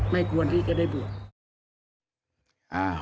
ไม่ควรที่จะได้บวช